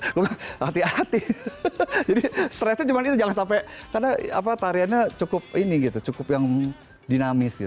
aku bilang hati hati jadi stress nya cuma itu jangan sampai karena apa tarian nya cukup ini gitu cukup yang dinamis gitu